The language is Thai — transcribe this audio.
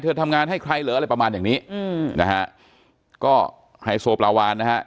ทำงานให้ใครเหรออะไรประมาณอย่างนี้อืมนะฮะก็ไฮโซปลาวานนะฮะ